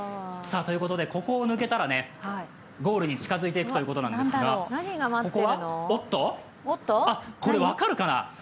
ここを抜けたらゴールに近付いていくということなんですがこれ分かるかな？